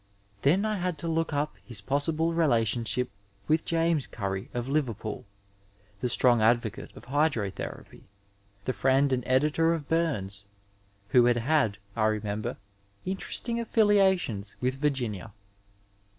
Then I had to look up his possible relationship with James Currie, of Liverpool, the strong advocate of hydrotherapy, the friend and editor of Bums, who had had, I remember, interesting affiliations with Virginia.